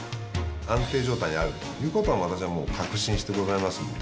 安定状態にあるということは、私はもう確信してございますんで。